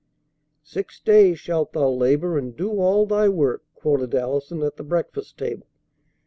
"Six days shalt thou labor and do all thy work," quoted Allison at the breakfast table.